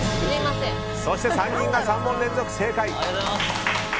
そして３人が３問連続正解。